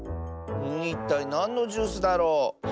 いったいなんのジュースだろう？